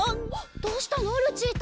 どうしたのルチータ？